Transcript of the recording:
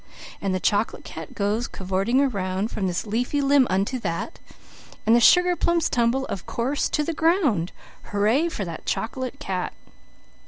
And the chocolate cat goes covorting around From this leafy limb unto that, And the sugar plums tumble, of course, to the ground Hurray for that chocolate cat!